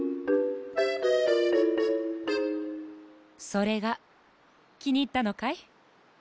それがきにいったのかい？